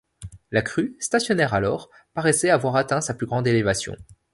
La crue, stationnaire alors, paraissait avoir atteint sa plus grande élévation.